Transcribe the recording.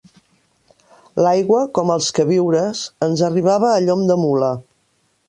L'aigua, com els queviures, ens arribava, a llom de mula